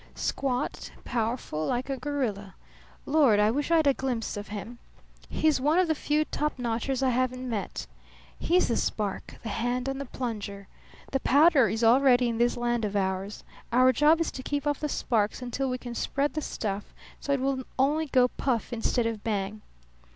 "Squat, powerful, like a gorilla. Lord, I wish I'd had a glimpse of him! He's one of the few topnotchers I haven't met. He's the spark, the hand on the plunger. The powder is all ready in this land of ours; our job is to keep off the sparks until we can spread the stuff so it will only go puff instead of bang.